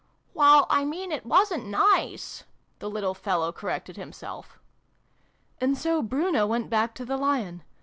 "Well, I mean, it wasn't nice," the little fellow corrected himself. "And so Bruno went back to the Lion.